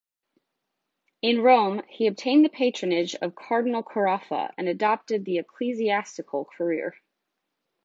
In Rome, he obtained the patronage of Cardinal Carafa and adopted the ecclesiastical career.